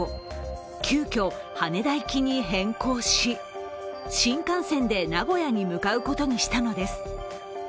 急きょ、羽田行きに変更し新幹線で名古屋に向かうことにしたのです。